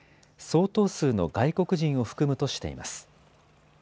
相当数の外国人を含むとしています。